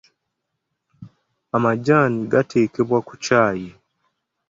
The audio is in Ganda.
Amajaani gateekebwa ku ccaayi.